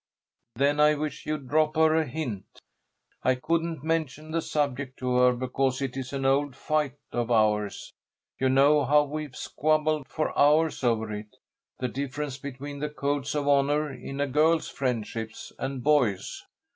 "Then I wish you'd drop her a hint. I couldn't mention the subject to her, because it is an old fight of ours. You know how we've squabbled for hours over it the difference between the codes of honor in a girl's friendships and boys'.